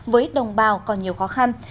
với đồng bào còn nhiều khó khăn